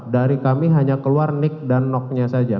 dari kami hanya keluar nick dan noknya saja